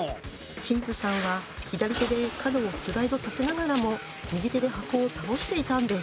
清水さんは左手で角をスライドさせながらも右手で箱を倒していたんです！